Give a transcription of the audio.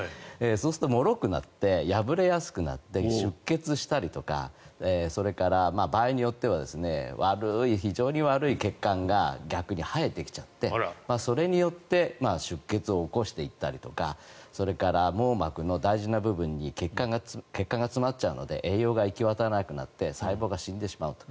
そうするともろくなって破れやすくなって出血したりとかそれから場合によっては非常に悪い血管が逆に生えてきちゃってそれによって出血を起こしていったりとかそれから網膜の大事な部分に血管が詰まっちゃうので栄養が行き渡らなくなって細胞が死んでしまうと。